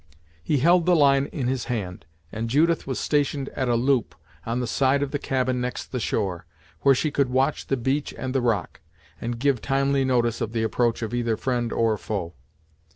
He held the line in his hand, and Judith was stationed at a loop, on the side of the cabin next the shore, where she could watch the beach and the rock, and give timely notice of the approach of either friend or foe.